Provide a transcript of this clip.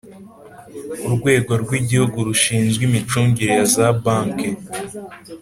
Urwego Rw igihugu rushinzwe imicungire ya za bank